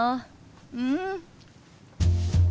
うん。